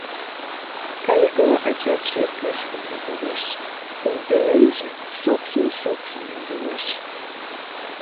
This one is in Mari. Кайыкла ачатше кӱшкӧ нӧлталеш, Оҥ пеленже шокшын-шокшын ӧндалеш.